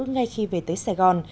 ngay khi về tới sài gòn